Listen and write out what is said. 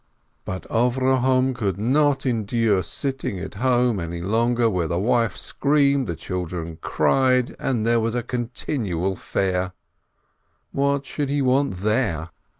But Avrohom could not endure sitting at home any longer, where the wife screamed, the children cried, and there wag a continual "fair." What should he want there?